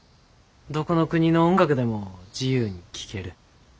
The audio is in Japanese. どこの国の音楽でも自由に聴ける。